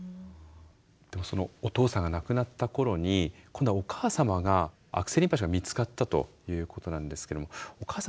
でそのお父さんが亡くなった頃に今度はお母様が悪性リンパ腫が見つかったということなんですけどもお母様